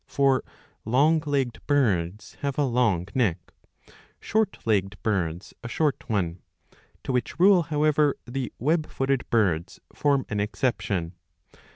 For long legged birds have a long neck, short legged birds a short one, to which rule, however, the web footed birds form an exception.